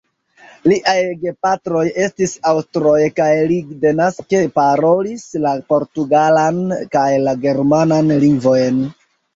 Liaj gepatroj estis aŭstroj kaj li denaske parolis la portugalan kaj la germanan lingvojn.